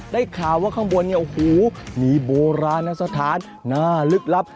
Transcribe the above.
ได้ข่าวว่าข้างบนเนี่ยโอ้โหมีโบราณสถานหน้าลึกลับ